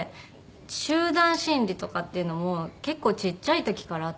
集団心理とかっていうのも結構ちっちゃい時からあって。